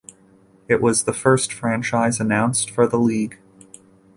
It was the first franchise announced for the League.